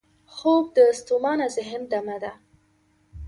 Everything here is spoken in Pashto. خوب د ستومانه ذهن دمه ده